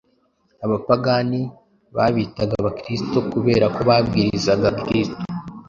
Abapagani babitaga Abakristo kubera ko babwirizaga Kristo